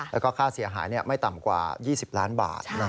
แล้วก็ค่าเสียหายไม่ต่ำกว่า๒๐ล้านบาท